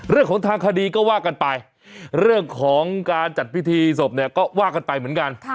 เรื่องของทางคดีก็ว่ากันไปเรื่องของการจัดพิธีศพเนี่ยก็ว่ากันไปเหมือนกัน